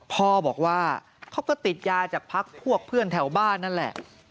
พ่อบอกว่าเขาก็ติดยาจากพักพวกเพื่อนแถวบ้านนั่นแหละ